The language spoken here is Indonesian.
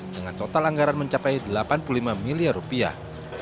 dengan total anggaran mencapai delapan puluh lima miliar rupiah